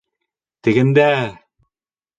Тегендә!